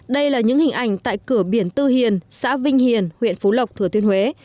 đây là những hình ảnh tại cửa biển tư hiền xã vinh hiền huyện phú lộc thứ thiên huế